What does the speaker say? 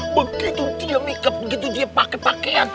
begitu dia makeup begitu dia pakai pakaian